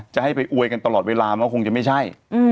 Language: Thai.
จะให้ไปอวยกันตลอดเวลามันก็คงจะไม่ใช่